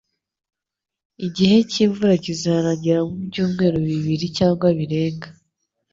Igihe cyimvura kizarangira mu byumweru bibiri cyangwa birenga